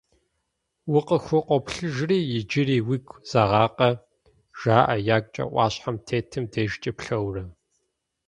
Укъыхукъуоплъыжри, иджыри уигу зэгъакъэ?! — жаӏэ ягукӏэ ӏуащхьэм тетым дежкӏэ плъэурэ.